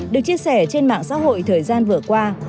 được chia sẻ trên mạng xã hội thời gian vừa qua